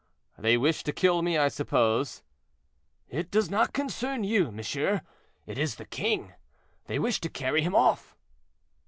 "They wish to kill me, I suppose." "It does not concern you, monsieur; it is the king. They wish to carry him off."